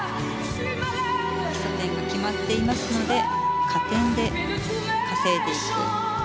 基礎点が決まっていますので加点で稼いでいく。